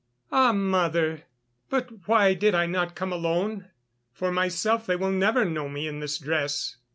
"Ah! mother, but why did I not come alone! For myself, they will never know me in this dress."